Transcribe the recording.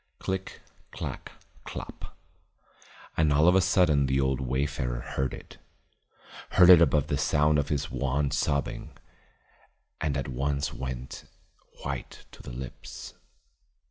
Click clack clop. And all of a sudden the old wayfarer heard it; heard it above the sound of his won sobbing, and at once went white to the lips.